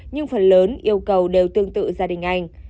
nhưng phần lớn yêu cầu đều tương tự gia đình anh